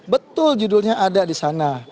betul judulnya ada di sana